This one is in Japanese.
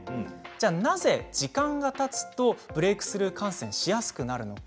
なぜ時間がたつとブレークスルー感染しやすくなるのか。